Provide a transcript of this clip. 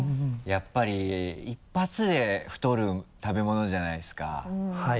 やっぱり一発で太る食べ物じゃないですかはい。